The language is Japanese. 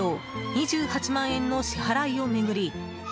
２８万円の支払いを巡り